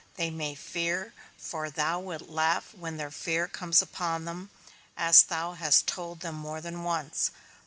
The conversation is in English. They may fear, for Thou wilt laugh when their fear comes upon them, as thou hast told them more than once.